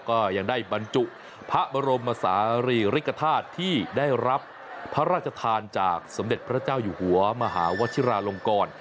ก็ยังได้บรรจุพระบรมศาลีริกฐาตุที่ได้รับพระราชทานจากสมเด็จพระเจ้าอยู่หัวมหาวชิราลงกร